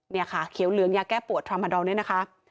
นี่ค่ะเขียวเหลืองยาแก้ปวดธรรมดอล